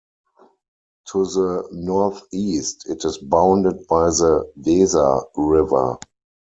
To the northeast it is bounded by the Weser river.